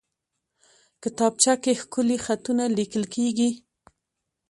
کتابچه کې ښکلي خطونه لیکل کېږي